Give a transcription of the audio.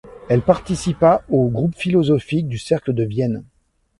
Elle participa au groupe philosophique du Cercle de Vienne.